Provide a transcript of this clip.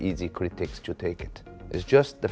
นั่นแค่จริงจากแผนสินค้า